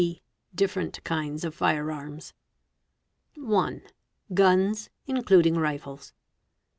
Different kinds of Fire arms. 1. GUNS (INCLUDING RIFLES).